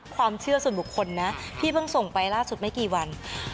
ความเชื่อส่วนบุคคลนะพี่เพิ่งส่งไปล่าสุดไม่กี่วัน